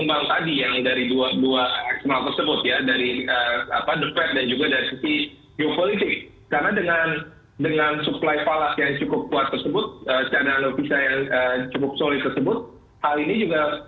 mengansipasi kembali lagi bahwa